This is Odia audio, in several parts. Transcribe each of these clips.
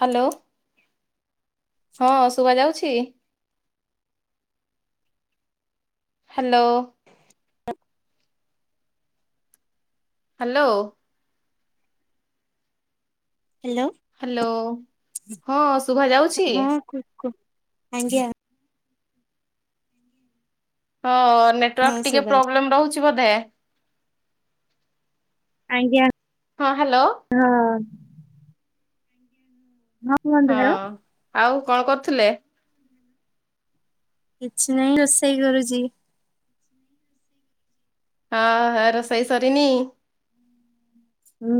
ହ୍ୟାଲୋ। ହଁ ଶୁଭ ଯାଉଛି। ହ୍ୟାଲୋ। ହ୍ୟାଲୋ। ହ୍ୟାଲୋ ହ୍ୟାଲୋ ହଁ ଶୁଭା ଯାଉଛି ହଁ କୁ କୁ ଆଜ୍ଞା। ହଁ ହଁ ନେଟୱାର୍କ ଟିକେ ଶୁଭା ପ୍ରୋବ୍ଲେମ ରହୁଛି ବୋଧେ? ଆଜ୍ଞା। ହଁ ହ୍ୟାଲୋ। ନାଁ ହଁ ଆଉ କଣ କରୁଥିଲେ? କିଛି ନାହିଁ ରୋଷେଇ କରୁଛି। ହଁ ରୋଷେଇ ସରିନି?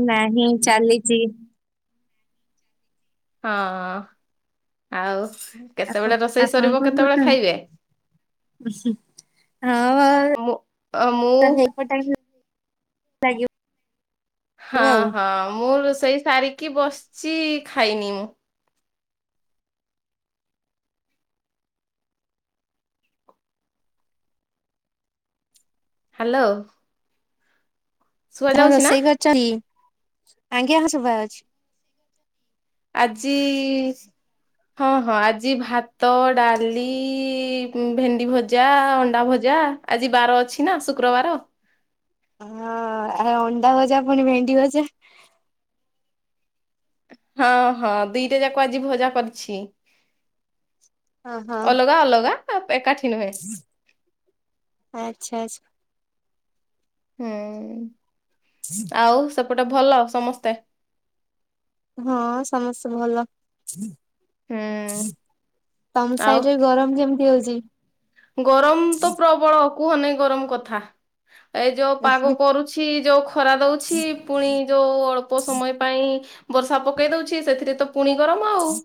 ନାହିଁ ଚାଲିଚି। ହଁ ଆଉ ଆପଣ କେତେବେଳେ ରୋଷେଇ ସରିବ କେତେବେଳେ ଖାଇବେ? ମୁଁ ଅ ମୁଁ ହଁପ ଟାଇ [unintelligible] ଲାଗି ହଁ ହଁ ମୁଁ ରୋଷେଇ ସାରିକି ବସିଛି ଖାଇନି ମୁଁ। ହ୍ୟାଲୋ। ଶୁଭା କଣ ଯାଉଛି ନା ରୋଷେଇ କରିଛ କି? ଆଜ୍ଞା ହ ଶୁବାଯାଉଛି। ଆଜି ହଁ ହଁ ଆଜି ଭାତ ଡାଲି ଭେଣ୍ଡି ଭଜା ଅଣ୍ଡା ଭଜା ଯା ଆଜି ବାର ଅଛି ନା ଶୁକ୍ରବାର। ହଁ ଆ ଅଣ୍ଡା ଭଜା ପୁଣି ଭେଣ୍ଡି ଭଜା। ହଁ ହଁ ଦିଟା ଯାକ ଆଜି ଭଜା କରିଛି। ହଁ ହଁ ଅଲଗା ଅଲଗା ଏକାଠି ନୁହେଁ ଆଚ୍ଛା ଆଛା ହୁଁ ଆଉ ସେପଟେ ଭଲ ସମସ୍ତେ ହଁ ସମସ୍ତେ ଭଲ ହୁଁ ତମ ଆଉ ସାଇଡରେ ଗରମ କେମିତି ହଉଛି ଗରମ ତ ପ୍ରବଳ କୁହନାଇ ଗରମ କଥା ଏ ଯୋଉ ପାଗ କରୁଛି ଯୋଉ ଖରା ଦଉଛି ପୁଣି ଯୋଉ ଅଳ୍ପ ସମୟ ପାଇଁ ବର୍ଷା ପକେଇ ଦଉଛି ସେଥିରେ ତ ପୁଣି ଗର ହଁ [unintelligible]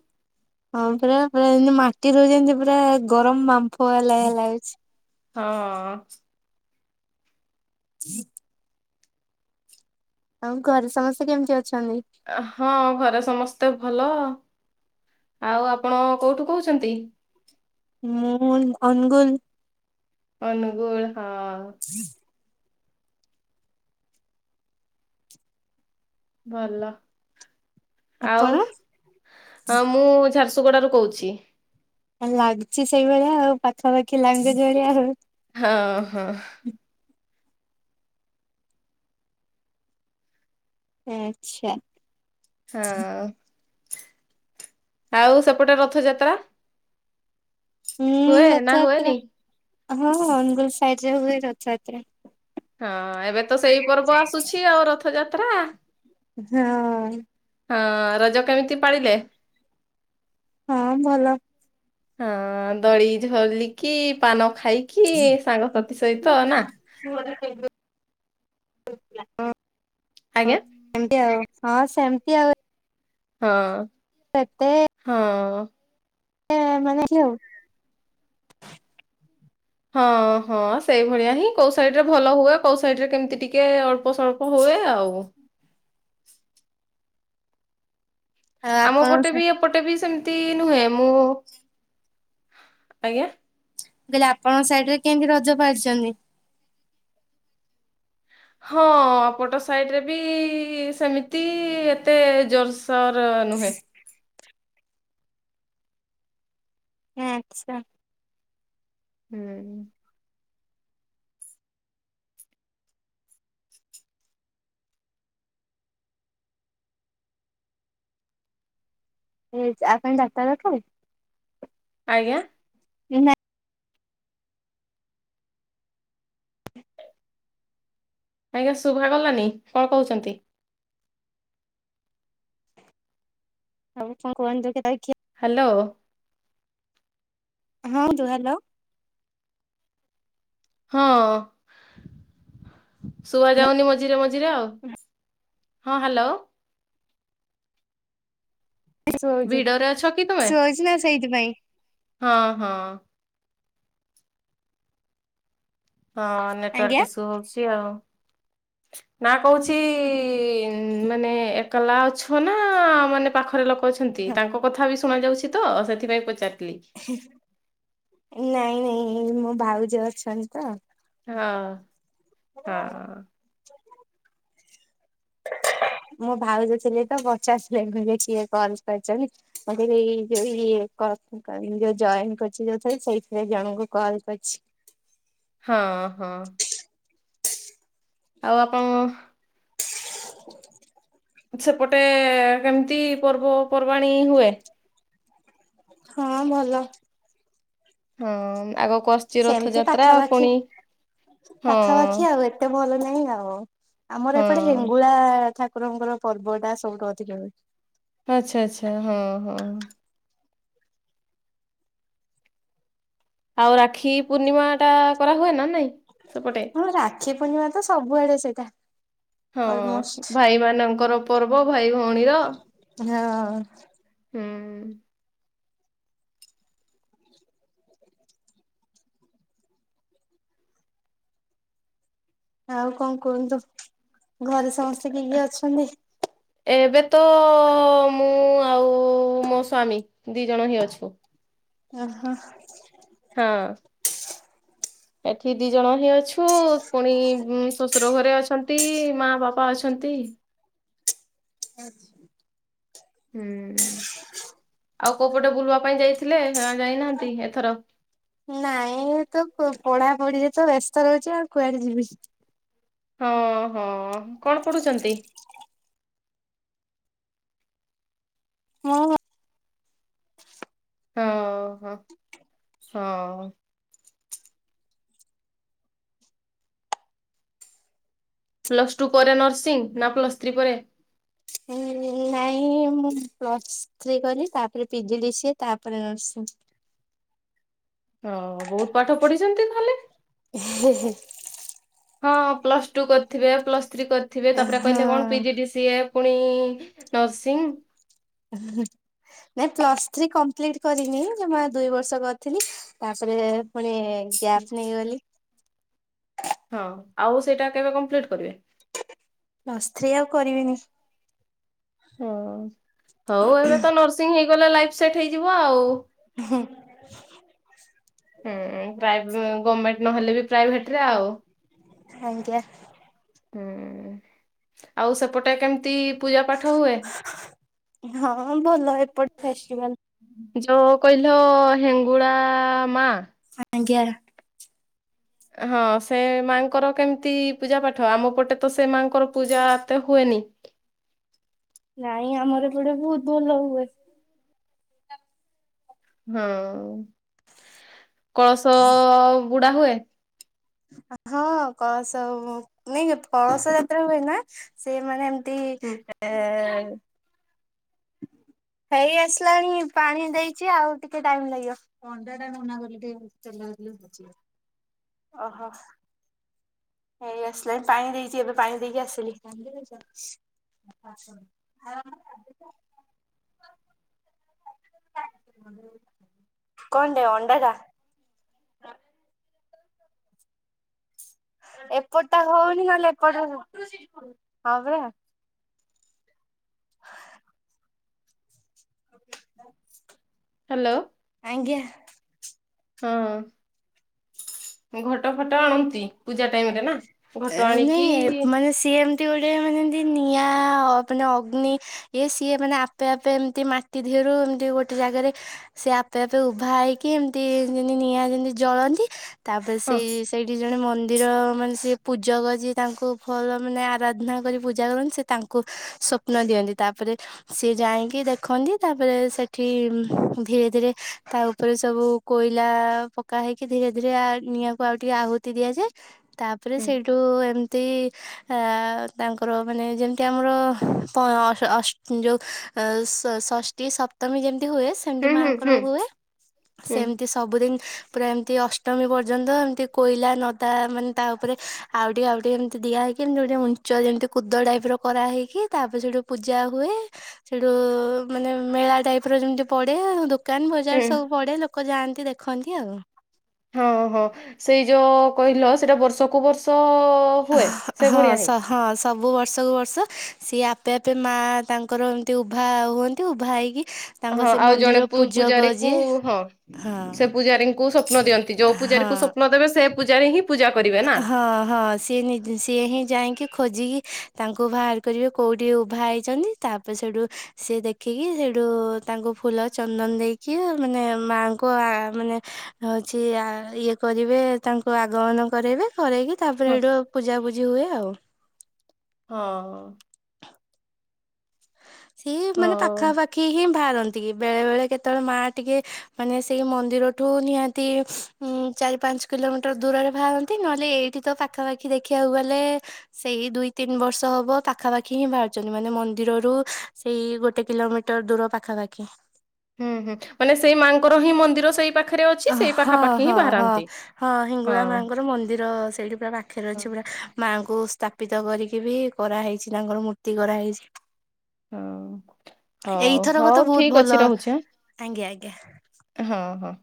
ହଁ ପୁରା ପୁରା ଏମତି ମାଟି ରହୁଛନ୍ତି ପୁରା ଗରମ ବାମ୍ଫ ହେଲା ଲାଗୁଛି ହଁ ହ [inaudible] ଆଉ ଘରେ ସମସ୍ତେ କେମିତି ଅଛନ୍ତି ହଁ ଘରେ ସମସ୍ତେ ଭଲ ଆଉ ଆପଣ କୋଉଠୁ କହୁଛନ୍ତି ମୁନ ଅନୁଗୁଲ। ଅନୁଗୁଳୁ। ହୁଁ। ଭଲ ଆଉ ଆପଣ? ହଁ ମୁଁ ଝାରସୁ ଗୁଡାରୁ କହୁଚି‌। ଆଉ ଲାଗୁଛି ସେଇଭଳିଆ ଆଉ ପାଖାପାଖି ଲାଙ୍ଗୁଏଜ ଭଳିଆ ଆଉ। ହଁ ହଁ। ଆଚ୍ଛା। ହଁ ଆଉ ସେପଟେ ରଥଯାତ୍ରା। ହୁଁ, ହୁଏ ନା ହୁଏନି? ରଥଯାତ୍ରା ହଁ ଅନୁଗୁଳ ସାଇଟ୍ ରେ ହୁଏ ରଥଯାତ୍ରା। ହଁ ଏବେ ତ ସେଇ ପର୍ବ ଆସୁଛି ଆଉ ରଥଯାତ୍ରା। ହଁ। ହଁ ରଜ କେମିତି ପାଳିଲେ? ହଁ ଭଲ। ହଁ ଦୋଳି ଝଲିକି ପାନ ଖାଇକି ସାଙ୍ଗସାଥି ସହିତ ନା? ହଁ ହଁ ଆଜ୍ଞା ଏମତି ଆଉ। ହଁ ସେମିତି ଆଉ ହଁ, ହଁ। ଆ ମାନେ ଏଠି ‌ଆଉ ହଁ ହଁ ସେଇଭଳିଆ ହିଁ କୋଉ ସାଇଡ ରେ ଭଲ ହୁଏ କୋଉ ସାଇଡରେ କେମିତି ଟିକେ ଅଳ୍ପ ସଳ୍ପ ହଉ ହୁଏ ଆଉ। ଆମ ଆପଣ ପଟେ ମୁଁ ବି ଏପଟେ ବି ସେମିତି ତି ନୁହେଁ ମୁଁ ଆଜ୍ଞା। ମୁଁ କହିଲି ଆପଣଙ୍କ ସାଇଡରେ କେମତି ରଜ ପାଳୁଛନ୍ତି? ହଁ ଏପଟ ସାଇଡ ରେ ବି ସେମିତି ଏତେ ଜୋରସୋଓର ଟା ନୁହେଁ। ଆଚ୍ଛା। ହୁଁ। ଏ ଆ ପାଇଁ ଡାଟା ରଖିବି। ଆଜ୍ଞା? ଚିନା ଆଜ୍ଞା ଶୁଭା ଗଲାନି କଣ କହୁଛନ୍ତି? ଆଉ କଣ [unintelligible] ହାଲୋ। ହଁ ଯୋଉ ହ୍ୟାଲୋ। ହଁ ଶୁଆ ଯାଉନି ମଝିରେ ମଝି ଲୋ ହଁ ହାଲୋ। ଶଉଚି ଭିଡରେ ଅଛ କି ତୁମେ ଶଉଚି ନା ସେଇଥିପାଇଁ। ହଁ ହଁ। ହଁ ଆଜ୍ଞା। ନେଟୱାର୍କ ଇସୁ ହଉଛି ଆଉ। [inaudible] ନା କହୁଛି ମାନେ ଏକଲା ଅଛ ନା ମାନେ ପାଖରେ ଲୋକ ଛନ୍ତି। ତାଙ୍କ କଥା ବି ଶୁଣା ଯାଉଛି ତ ସେଥିପାଇଁ ପଚାରିଲି। ହେଁ ନାଇଁ ନାଇଁ ମୋ ଭାଉଜ ଅଛନ୍ତି ତ। ହଁ ହଁ। [inaudible] ମୋ ଭାଉଜ ଥିଲେ ତ ପଚାରୁଥିଲେ। କିଏ କଲ କରିଛନ୍ତି। ମତେ ଏଇ ଯୋଉ ଇଏ। କହିମି ମୁଁ ଯୋଉ ଜଏନ କରିଚି ଯୋଉଥିରେ। ସେଇଥିରେ ଜଣଙ୍କୁ କଲ କରିଛି। ହଁ ହଁ। ଆଉ ଆପଣ - ସେପଟେ କେମିତି ପର୍ବପର୍ବାଣୀ ହୁଏ? ହଁ ଭଲ। ହଁ ଆଗ - ସେମିତି ପାଖାପାଖି ହଁ ପାଖାପାଖି ଆଉ ଏତେ ଭଲ ନାହିଁ। ନାଇଁ ଆଉ ଆମର ଏପଟେ ହଁ ହେଙ୍ଗୁଳା ଠାକୁରଙ୍କର ପର୍ବ ଟା ସବୁଠୁ ଅଧିକ ହୁଏ। ଆଚ୍ଛା ଆଚ୍ଛାହଁ ହଁ। ଆଉ ରାକ୍ଷୀ ପୂର୍ଣ୍ଣିମା ଟା କରା ହୁଏ ନା ନାଇଁ ସେପଟେ? ରାକ୍ଷୀ ପୂର୍ଣ୍ଣିମା ହଁ ସବୁଆଡେ ସେଇଟା। ହଁ ଅଲମୋଷ୍ଟ। ଭାଇମାନାନଙ୍କର ପର୍ବ ଭାଇ ଭଉଣୀର ହଁ - ହୁଁ ଆଉ କଣ କହନ୍ତୁ ଘରେ ସମସ୍ତେ କିଏ କିଏ ଅଛନ୍ତି? ଏବେ ତ ମୁଁ ଆଉ ମୋ ସ୍ଵାମୀ ଦି ଜଣ ହିଁ ଅଛୁ। ଓ ହୋ। ହଁ ଏଠି ଦି ଜଣ ହିଁ ଅଛୁ ପୁଣି ଶଶୁର ଘରେ ଅଛନ୍ତି ମା ବାପା। ଛନ୍ତି। ହୁଁ ଆଉ କୋଉପଟେ ବୁଲିବା ପାଇଁ ଯାଇଥିଲେ? ଯାଇନାହାନ୍ତି ଏଥର? ନାଇଁ ତ ପଢାପଢିରେ - ତ ବ୍ୟସ୍ତ ରହୁଛି ଆଉ କୁଆଡେ ଯିବି? ହଁ ହଁ କଣ ପଢୁଛନ୍ତି? ମୁଁ ହଁ ହ ହଁ। ପ୍ଲସ୍ ଟୁ ପରେ ନର୍ସିଂ ନା ପ୍ଲସ୍ ଥ୍ରୀ ପରେ? ନାଇଁ ମୁଁ ପ୍ଲସ୍ ଥ୍ରୀ କଲି ତାପରେ ପିଜିଡି ସିଏ ତାପରେ ନର୍ସିଂ। ହଁ ବହୁତ ପାଠ ପଢିଛନ୍ତି ତାହଲେ! ହେ ହେ। ହଁ ପ୍ଲସ ଟୁ କରିଥିବେ ପ୍ଲସ୍ ଥ୍ରୀ କରିଥିବେ ତାପରେ ହଁ କହିଲେ କଣ ପିଜିଡି ସିଏ। ପୁଣି ନର୍ସିଂ - ନାଇଁ ପ୍ଲସ ଥ୍ରୀ କମ୍ପ୍ଲିଟ କରିନି। ଦୁଇ ବର୍ଷ କରିଥିଲି ତାପରେ ପୁଣି ଗ୍ୟାପ୍ ନେଇଗଲି। ହଁ ଆଉ ସେଇଟା କେବେ କମ୍ପ୍ଲିଟ କରିବେ? ପ୍ଲସ୍ ଥ୍ରୀ ଆଉ କରିବିନି। ହଁ ହଉ ଏବେ ତ ନର୍ସିଂ ହେଇଗଲା। ଲାଇଫ୍ ସେଟ୍ ହେଇଯିବ। ହଁ। ଗଭର୍ଣମେଣ୍ଟ ନହେଲେ ବି, ପ୍ରାଇଭେଟ ରେ ଆଉ। ଆଜ୍ଞା। ହୁଁ ଆଉ ସେପଟେ କେମିତି? ପୂଜା ପାଠ ହୁଏ? ହଁ ଭଲ ଏପଟେ ଫେଷ୍ଟିଭାଲ। ଯୋ କହିଲ ହେଙ୍ଗୁଳା ମାଁ? ଆଜ୍ଞା। ହଁ ସେ ମାଁ ଙ୍କର କେମିତି ପୂଜା ପାଠ? ଆମ ପଟେ ତ ସେ ମାଆଙ୍କର ପୂଜା ଏତେ ହୁଏନି। ନାଇଁ ଆମର ଏ ଗଟେ ବହୁତ ଭଲ ହୁଏ। ହଁ କଳସ ବୁଡା ହୁଏ? ହଁ କଳସ ନାଇ କଳସ ଯାତ୍ରା ହୁଏ ନା ସେମାନେ ହୁଁ ଆ ଆ ହେଇ ଆସିଲାଣି ପାଣି ଦେଇଛି, ଆଉ ଟିକେ ଟାଇମ୍ ଲାଗିବ। ଓହୋ। ହେଇ ଆସିଲାଣି ପାଣି ଦେଇଛି ଏ, ବେ ପାଣି ଦେଇକି ଆସିଲି। ଆଛା। କଣ ଟେ ଅଣ୍ଡା ଟା ଏପଟଟା ହଉନି ନହେଲେ ଏପଟ ଟା ହଁ ପା ହ୍ୟାଲୋ ଆଂଜ୍ଞା। ହଁ ଘଟ ଫଟ ଆଣନ୍ତି ପୂଜା ଟାଇମ ରେ ନା ଘଟ ଆଣିକି ନାଇଁ ମାନେ ସିଏ ଏମତି ଗୋଟେ ମାନେ ନିଆଁ ମାନେ ଅଗ୍ନି ଏ ସିଏ ମାନେ ଆପେ ଆପେ ଏମତି ମାଟି ଧିଅରୁ ଏମିତି ଗୋଟେ ଜାଗାରେ ସିଏ ଆପେ ଆପେ ଉଭା ହେଇକି ଏମତି ନିଆଁ ଯେମିତି ଜଳନ୍ତି। ତାପରେ ହଁ ସେଇ ସେଇଠି ଜଣେ ମନ୍ଦିର ମାନେ ସେ ପୂଜକ ଯିଏ ତାଙ୍କୁ ଭଲ ମାନେ ଆରାଧନା କରି ପୂଜା କରନ୍ତି। ସେ ତାଙ୍କୁ ସ୍ୱପ୍ନ ଦିଅନ୍ତି ତାପ ସିଏ ଯାଇକି ଦେଖନ୍ତି। ତାପରେ ସେଠି ଧୀରେ ଧୀରେ ତା ଉପରେ ସବୁ କୋଇଲା ପକା ହେଇକି ଧୀରେ ଧୀରେ ନିଆଁ କୁ ଆଉଟିକେ ଆହୂତି ଦିଆଯାଏ। ତାପରେ ହୁଁ ସେଇଠୁ ଏମିତି ଆ ତାଙ୍କର ମାନେ ଯେମିତି ଆମର ଯୋଉ ଷଷ୍ଠୀ ସପ୍ତମୀ ଯେମିତି ହୁଏ ସେମିତି ହୁଁ ହୁଁ ମାଆଙ୍କର ହୁଁ ହୁଏ। ହୁଁ ସେମିତି ସବୁଦିନ ପୁରା ଏମିତି ଅଷ୍ଟମୀ ପର୍ଯ୍ୟନ୍ତ ଏମିତି କୋଇଲା ନଦା ମାନେ ତା ଉପରେ ଆଉ ଟିକେ ଆଉ ଟିକେ ଏମତିି ଦିଆହେଇକି, ଗୋଟେ ଉଞ୍ଚ ଯେମିତି କୁଦ ଟାଇପ ର କରା ହେଇକି ତାପରେ ସେଇଠି ପୂଜା ହୁଏ ସେଠୁ ମାନେ ମେଳା ଟାଇପ ର ଯେମିତି ପଡେ ଦୋକାନ ବଜାର ହୁଁ। ସବୁ ପଡେ ଲୋକ ଯାଆନ୍ତି ଦେଖନ୍ତି ଆଉ ଓ ହଁ ସେଇ ଯୋଉ କହିଲ ସେଇଟା ବର୍ଷକୁ ବର୍ଷ ହୁଏ ସେ ଭଳିଆ ହିଁ। ହଁ ହଁ ସବୁବର୍ଷ। ବର୍ଷକୁ ବର୍ଷ ସିଏ ଆପେ ଆପେ ମା ତାଙ୍କର ଏମତି ଉଭା ହୁଅନ୍ତି ଉଭା ହେଇକି ତାଙ୍କ ହଁ ସେ ଆଉ ଜଣେ ମନ୍ଦିର ପୂଜକ ପୂଜାରୀ କୁ ଯିଏ ହଁ ହଁ ସେ ପୂଜାରୀଙ୍କୁ ସ୍ୱପ୍ନ ଦିଅନ୍ତି ଯୋଉ ପୂଜାରୀ ହଁ ସ୍ୱପ୍ନ ଦେବେ ସେ ପୂଜାରେ ହିଁ ପୂଜା କରିବେ ନା। ହଁ ହଁ ସିଏ ସିଏ ହିଁ ଯାଇକି ଖୋଜିକି ତାଙ୍କୁ ବାହାର କରିବେ କୋଉଠି ଉଭା ହେଇଛନ୍ତି। ତାପରେ ସେଠୁ ସିଏ ଦେଖିକି ସେଠୁ ତାଙ୍କୁ ଫୁଲ ଚନ୍ଦନ ଦେଇକି ମାନେ ମାଙ୍କୁ ମାନେ ହଉଛି ଇଏ କରିବେ ତାଙ୍କୁ ଆଗମନ କରାଇବେ କରେଇକି ତାପରେ ହଁ ହେଠୁ ପୂଜାପୂଜି ହୁଏ ଆଉ ହଁ। ସିଏ ହଁ ମାନେ ପାଖାପାଖି ହିଁ ବାହାରନ୍ତି। କି ବେଳେବେଳେ କେତେବେଳେ ମା ଟିକେ ମାନେ ସେଇ ମନ୍ଦିରଠୁ ନିହାତି ଉଁ, ଚାରି ପାଞ୍ଚ କିଲୋମିଟର୍ ଦୂରରେ ବାହାରନ୍ତି। ନହେଲେ ଏଇଠି ତ ପାଖାପାଖି ଦେଖିବାକୁ ଗଲେ ସେଇ ଦୁଇ ତିନି ବର୍ଷ ହବ ପାଖାପାଖି ହିଁ ବାହାରଚନ୍ତି। ମାନେ ମନ୍ଦିରରୁ ସେଇ ଗୋଟେ କିଲୋମିଟର ଦୂର ପାଖାପାଖି। ହୁଁ ହୁଁ ମାନେ ସେଇ ମାଆଙ୍କର ହିଁ ମନ୍ଦିର ସେଇ ପାଖରେ ଅ ହଁ, ହଁ, ହଁ, ହଁ ହିଙ୍ଗୁଳା ହଁ ମାଙ୍କର ମନ୍ଦିର ସେଇଠି ପୁରା ପାଖରେ ଅଛି। ପୁରା ମାଆଙ୍କୁ ସ୍ଥାପିତ କରିକି ବି କରାହେଇଛି ତାଙ୍କର ମୂର୍ତ୍ତି ଗଢାହେଇଛି। ହଁ। ହଉ ତ ହଉ ବହୁତ ଠିକ ଭଲ ଅଛି ରହୁଛି ଆଁ। ଆଜ୍ଞା ଆଜ୍ଞା ହଁ ହଁ।